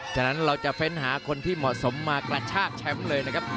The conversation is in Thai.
ฉะนั้นเราจะเฟ้นหาคนที่เหมาะสมมากระชากแชมป์เลยนะครับ